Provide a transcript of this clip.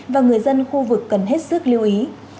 và người dân khu vực cần hết sức lưu ý